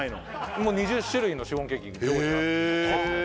もう２０種類のシフォンケーキが常時ある